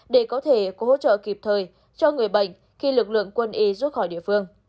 để có thể có hỗ trợ kịp thời cho người bệnh khi lực lượng quân y rút khỏi địa phương